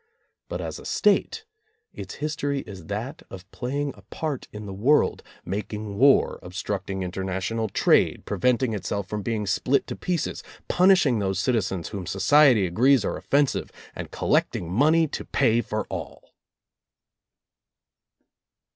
But as a State, its history is that of playing a part in the world, making war, obstructing interna tional trade, preventing itself from being split to pieces, punishing those citizens whom society agrees are offensive, and collecting money to pay for all.